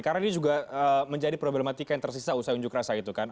karena ini juga menjadi problematika yang tersisa usai unjuk rasa itu kan